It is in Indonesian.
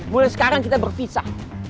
mulai sekarang kita berpisah